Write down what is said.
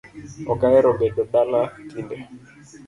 Ok ahero bedo dala tinde